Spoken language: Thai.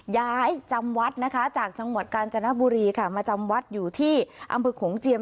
ย้ายจำวัดจากจังหวัดกาญจนบุรีมาจำวัดอยู่ที่อำภึกโขงเจียม